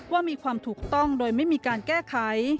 ว่ามีความถูกต้องโดยไม่มีการแก้ไข